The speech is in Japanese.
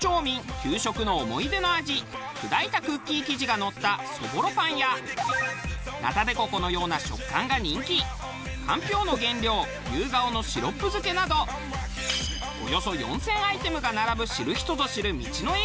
給食の思い出の味砕いたクッキー生地がのったそぼろぱんやナタデココのような食感が人気かんぴょうの原料ゆうがおのシロップ漬けなどおよそ４０００アイテムが並ぶ知る人ぞ知る道の駅。